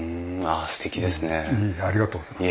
ありがとうございます。